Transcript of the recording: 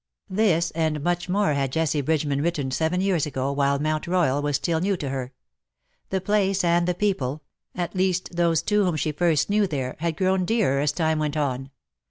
This and much more had Jessie Bridgeman written seven years ago, while Mount Royal was still new to her. The place and the people — at least those two 170 IN SOCIETY. whom slie first knew there — had grown dearer as time went on.